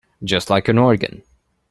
Just like an organ.